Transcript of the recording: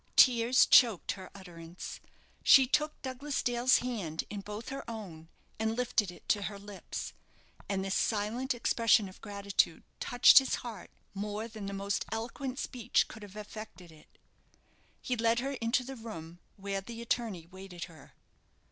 Tears choked her utterance; she took Douglas Dale's hand in both her own, and lifted it to her lips; and this silent expression of gratitude touched his heart more than the most eloquent speech could have affected it. He led her into the room where the attorney awaited her.